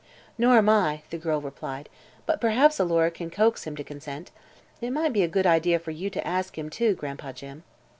"Nor am I," the girl replied; "but perhaps Alora can coax him to consent. It might be a good idea for you to ask him, too, Gran'pa Jim."